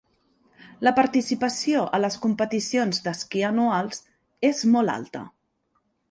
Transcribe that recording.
La participació a les competicions d'esquí anuals és molt alta.